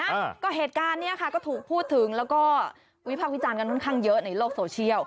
อ่าก็เหตุการณ์เนี้ยค่ะก็ถูกพูดถึงแล้วก็วิพากษ์วิจารณ์กันค่อนข้างเยอะในโลกโซเชียล